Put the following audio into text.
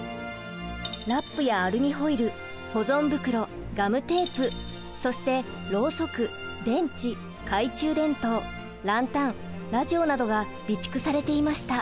ラップやアルミホイル保存袋ガムテープそしてろうそく電池懐中電灯ランタンラジオなどが備蓄されていました。